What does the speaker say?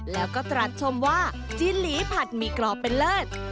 แล้วก็ตรัสชมว่าจีนหลีผัดหมี่กรอบเป็นเลิศ